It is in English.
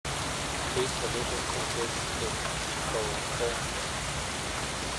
These positions existed concurrently.